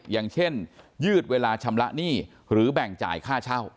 อย่างเช่นยืดเวลาชำระหนี้หรือแบ่งจ่ายค่าเช่า